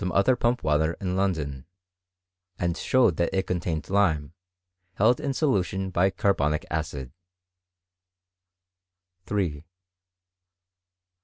345 I wKr pump water in London, and showed that it con ■ .binfid lime, held in solution by carbonic acid, ''W 3. Dr.